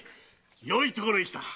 よいところへ来た！